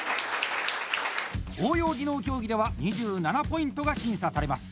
応用技能競技では２７ポイントが審査されます。